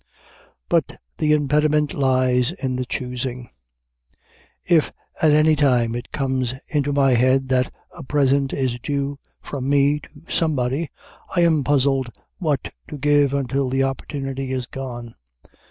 But the impediment lies in the choosing. If, at any time, it comes into my head that a present is due from me to somebody, I am puzzled what to give until the opportunity is gone.